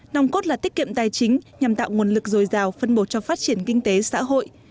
nòng cốt là tiết kiệm tài chính nhằm tạo nguồn lực dồi dào phân bộ cho phát triển kinh tế xã hội